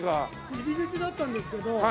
入り口にあったんですけど。